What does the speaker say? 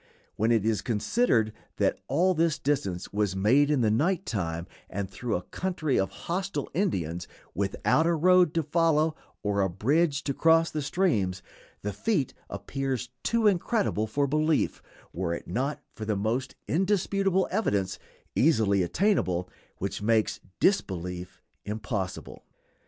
When it is considered that all this distance was made in the night time, and through a country of hostile Indians, without a road to follow or a bridge to cross the streams, the feat appears too incredible for belief were it not for the most indisputable evidence, easily attainable, which makes disbelief impossible.